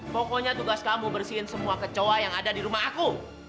pokoknya tugas kamu bersihin semua kecoa yang ada di rumah aku